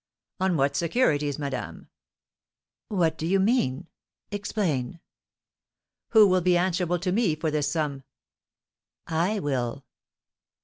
"On what securities, madame?" "What do you mean? Explain!" "Who will be answerable to me for this sum?" "I will."